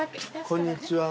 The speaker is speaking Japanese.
こんにちは。